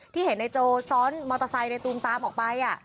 ที่เห็นนายโจซ้อนมอเตอร์ไซค์ในตูมตามออกไป